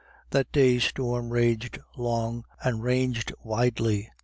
That day's storm raged long and ranged widely.